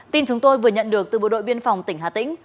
tin chúng tôi vừa nhận được từ bộ đội biên phòng tỉnh hà tĩnh